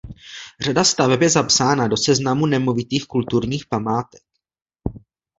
Řada staveb je zapsána do Seznamu nemovitých kulturních památek.